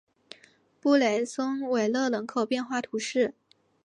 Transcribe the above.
布雷松维勒人口变化图示